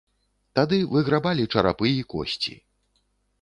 Тады выграбалі чарапы і косці.